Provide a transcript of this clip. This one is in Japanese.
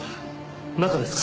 中ですか？